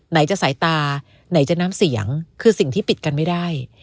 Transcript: ไหนจะสายตาไหนจะน้ำเสียงคือสิ่งที่ปิดกันไม่ได้